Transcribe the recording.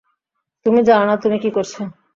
তুমি জান না, তুমি কি করছো।